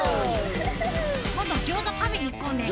こんどぎょうざたべにいこうね。